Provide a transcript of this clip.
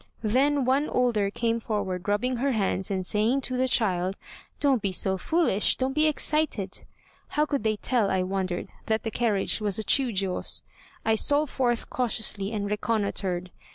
Then one older came forward rubbing her hands and saying to the child, 'Don't be so foolish, don't be excited.' How could they tell, I wondered, that the carriage was a Chiûjiô's. I stole forth cautiously and reconnoitred.